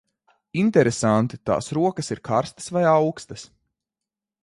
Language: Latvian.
Interesanti, tās rokas ir karstas vai aukstas?